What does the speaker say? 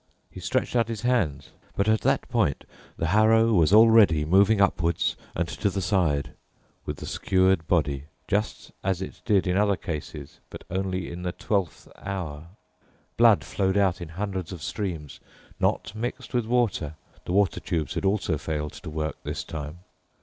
He stretched out his hands. But at that point the harrow was already moving upwards and to the side, with the skewered body—just as it did in other cases, but only in the twelfth hour. Blood flowed out in hundreds of streams, not mixed with water—the water tubes had also failed to work this time.